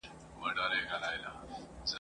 له ستړیا یې اندامونه رېږدېدله !.